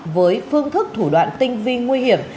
với phương thức thủ đoạn tinh vi nguy hiểm